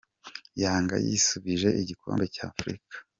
Yanga yisubije igikombe cya afurika